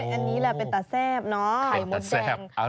อันนี้แหละเป็นตาแซ่บเนาะ